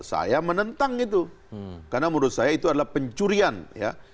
saya menentang itu karena menurut saya itu adalah pencurian ya